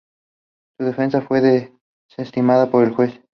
Su defensa fue desestimada por el juez.